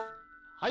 はい！